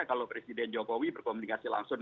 kalau presiden jokowi berkomunikasi langsung